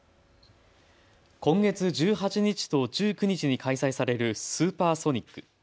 今月１８日と１９日に開催されるスーパーソニック。